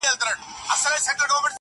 صفت زما مه كوه مړ به مي كړې.